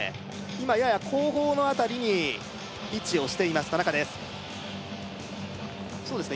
今やや後方の辺りに位置をしています田中ですそうですね